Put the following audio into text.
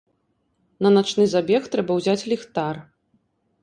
На начны забег трэба ўзяць ліхтар.